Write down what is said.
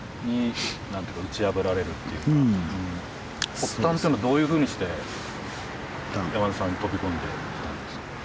発端っていうのはどういうふうにして山田さんに飛び込んできたんですか？